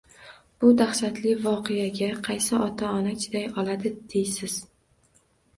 Bu dahshatli voqeaga qaysi ota-ona chiday oladi deysiz?!